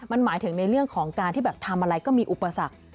มันหมายถึงในเรื่องของการที่แบบทำอะไรก็มีอุปสรรค